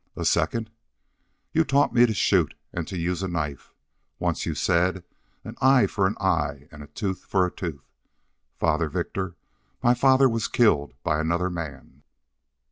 "A second?" "You taught me to shoot and to use a knife. Once you said: 'An eye for an eye, and a tooth for a tooth.' Father Victor, my father was killed by another man."